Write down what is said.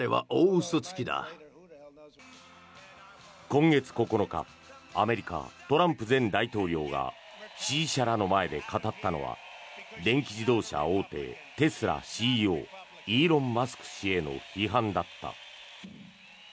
今月９日アメリカ、トランプ前大統領が支持者らの前で語ったのは電気自動車大手テスラＣＥＯイーロン・マスク氏への批判だった。